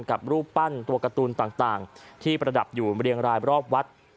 รูปปั้นตัวการ์ตูนต่างที่ประดับอยู่เรียงรายรอบวัด